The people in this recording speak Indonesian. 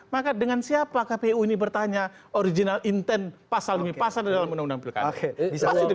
maka dengan siapa kpu ini bertanya original intent pasal demi pasal dalam undang undang pilkada